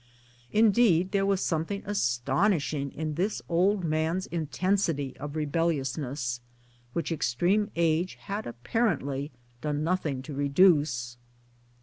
Indeed there was something astonishing in this old man's intensity of rebelliousness, which extreme age had apparently done nothing to reduce.